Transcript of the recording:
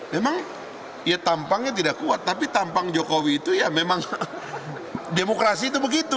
memang ya tampangnya tidak kuat tapi tampang jokowi itu ya memang demokrasi itu begitu